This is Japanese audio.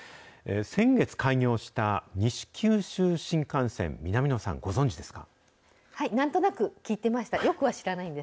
先月開業した西九州新幹線、南野なんとなく聞いてました。